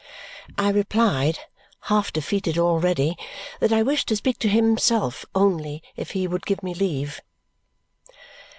I replied, half defeated already, that I wished to speak to himself only if he would give me leave.